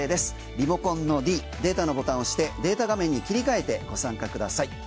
リモコンのｄデータのボタン押してデータ画面に切り替えてご参加ください。